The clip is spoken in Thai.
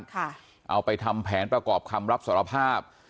เอาไปทำแผนประกอบคำรับสารภาพ